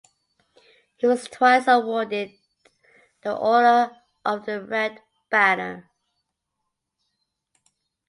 He was twice awarded the Order of the Red Banner.